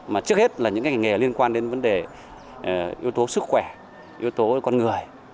mà trước hết là những ngành nghề liên quan đến vấn đề yếu tố sức khỏe yếu tố con người